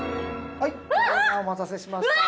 お待たせしました。